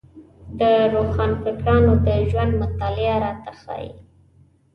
د روښانفکرانو د ژوند مطالعه راته وايي.